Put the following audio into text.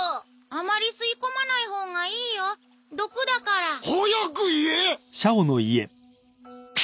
あまり吸い込まないほうがいいよ毒だから早く言えッ！